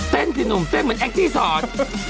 เต้นพี่หนุ่มเต้นเหมือนแอคที่สอน